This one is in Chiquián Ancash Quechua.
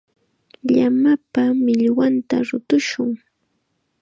Llamapa millwanta rutushun.